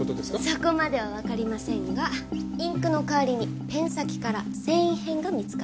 そこまではわかりませんがインクの代わりにペン先から繊維片が見つかりました。